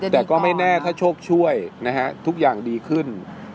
แต่ก็ไม่แน่ถ้าโชคช่วยนะฮะทุกอย่างดีขึ้น